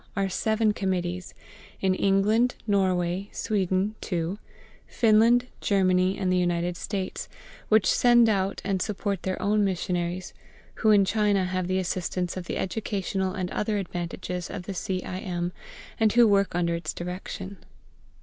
are seven Committees in England, Norway, Sweden (two), Finland, Germany, and the United States which send out and support their own missionaries, who in China have the assistance of the educational and other advantages of the C. I. M., and who work under its direction.